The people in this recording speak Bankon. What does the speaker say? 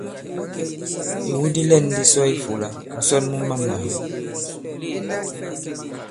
Ìwu di lɛ̂n di sɔ i ifūlā: ǹsɔn mu mamàà.